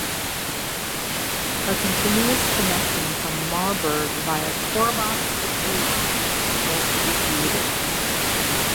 A continuous connection from Marburg via Korbach to Brilon was to be created.